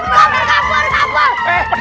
kabur kabur kabur